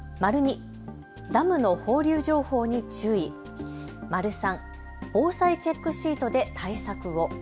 ２、ダムの放流情報に注意、３、防災チェックシートで対策を。